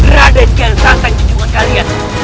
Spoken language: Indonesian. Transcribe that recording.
raden kiansatan junjungan kalian